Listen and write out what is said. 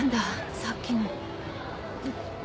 さっきの。